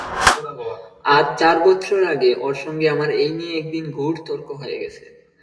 আজ চার বৎসর আগে ওর সঙ্গে আমার এই নিয়ে একদিন ঘোর তর্ক হয়ে গেছে।